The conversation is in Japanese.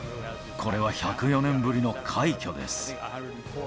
これは１０４年ぶりの快挙です。